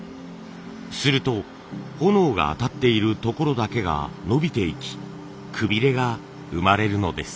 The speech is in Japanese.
すると炎が当たっている所だけが伸びていきくびれが生まれるのです。